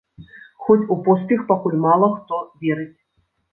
Хоць у поспех пакуль мала хто верыць.